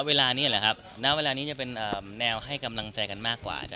เวลานี้หรือครับณเวลานี้จะเป็นแนวให้กำลังใจกันมากกว่าอาจาร